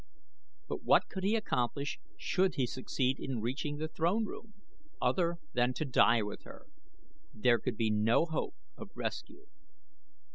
But what could he accomplish should he succeed in reaching the throne room, other than to die with her? There could be no hope of rescue.